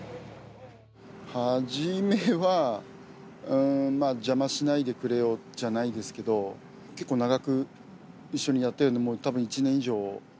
初めは、まあ、邪魔しないでくれよじゃないですけど、結構長く一緒にやってるので、たぶん１年以上。